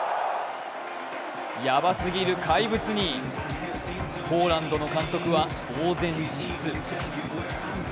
ヤバすぎる怪物にポーランドの監督はぼう然自失。